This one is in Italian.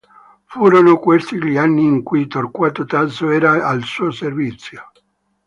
Furono questi gli anni in cui Torquato Tasso era al suo servizio.